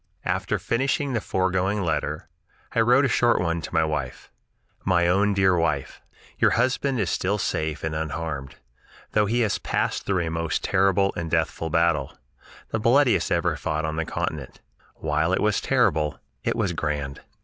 After finishing the foregoing letter, I wrote a short one to my wife: "My own dear Wife: "Your husband is still safe and unharmed, though he has passed through a most terrible and deathful battle, the bloodiest ever fought on the continent. While it was terrible, it was grand.